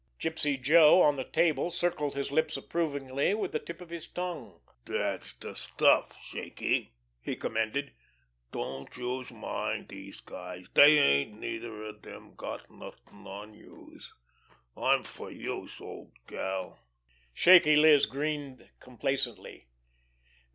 Gypsy Joe, on the table, circled his lips approvingly with the tip of his tongue. "Dat's de stuff, Shaky!" he commended. "Don't youse mind dese guys, dey ain't neither of dem got anything on youse. I'm fer youse, old gal!" Shaky Liz grinned complacently.